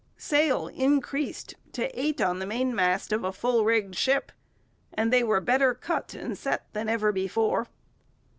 Sails increased to eight on the mainmast of a full rigged ship, and they were better cut and set than ever before.